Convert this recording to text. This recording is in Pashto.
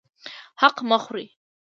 حق مه خورئ